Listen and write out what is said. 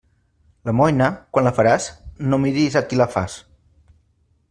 L'almoina, quan la faràs, no miris a qui la fas.